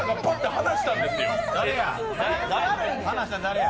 離したん、誰や？